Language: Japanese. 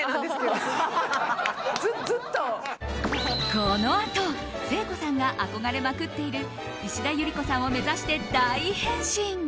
このあと誠子さんが憧れまくっている石田ゆり子さんを目指して大変身！